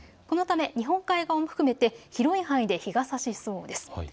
このため日本海側を含めて広い範囲で日がさしそうです。